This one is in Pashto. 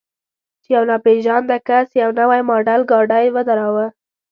چې یو ناپېژانده کس یو نوی ماډل ګاډی ودراوه.